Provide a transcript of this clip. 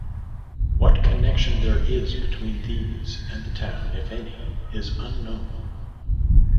What connection there is between these and the town, if any, is unknown.